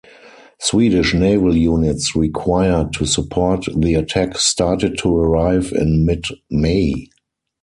Swedish naval units required to support the attack started to arrive in mid May.